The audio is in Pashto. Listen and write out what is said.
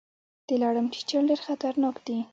د لړم چیچل ډیر خطرناک دي